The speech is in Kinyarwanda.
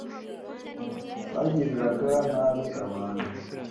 bagiriraga nabi abantu